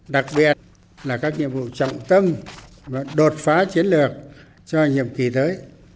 đặc biệt là các nhiệm vụ trọng tâm và đột phá chiến lược cho nhiệm kỳ tới